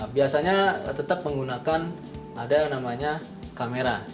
biasanya tetap menggunakan ada yang namanya kamera